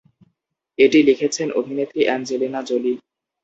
এটি লিখেছেন অভিনেত্রী অ্যাঞ্জেলিনা জোলি।